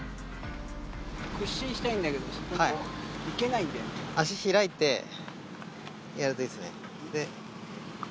屈伸したいんだけど、いけな足開いてやるといいですね。